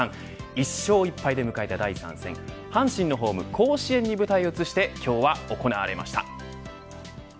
１勝１敗で迎えた第３戦阪神のホーム甲子園に舞台を移して今日は行われました。